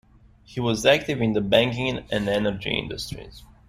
He was active in the banking and energy industries.